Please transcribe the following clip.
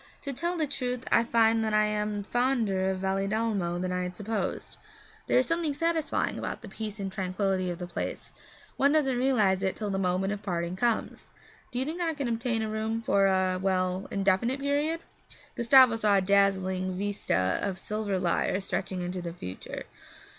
To tell the truth I find that I am fonder of Valedolmo than I had supposed. There is something satisfying about the peace and tranquillity of the place one doesn't realize it till the moment of parting comes. Do you think I can obtain a room for a well, an indefinite period?' Gustavo saw a dazzling vista of silver lire stretching into the future.